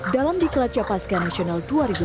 dalam di kelacapaska nasional dua ribu sembilan belas